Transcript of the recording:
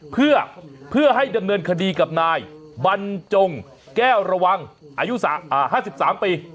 เพื่อให้ดำเนินคดีกับนายบรรจงแก้วระวังอายุ๕๓ปี